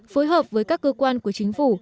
phối hợp với các cơ quan của chính phủ